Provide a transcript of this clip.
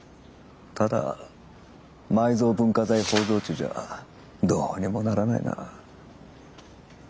ただ埋蔵文化財包蔵地じゃどうにもならないな。